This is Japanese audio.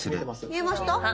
見えました？